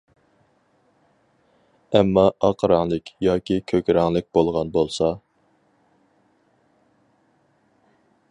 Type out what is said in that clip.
ئەمما ئاق رەڭلىك، ياكى كۆك رەڭلىك بولغان بولسا.